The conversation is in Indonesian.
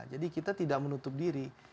jadi kita tidak menutup diri